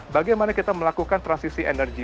bagaimana kita melakukan transisi energi